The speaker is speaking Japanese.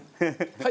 はい。